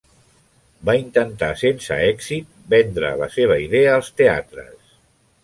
Va intentar sense èxit vendre la seva idea als teatres.